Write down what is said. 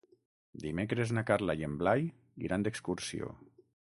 Dimecres na Carla i en Blai iran d'excursió.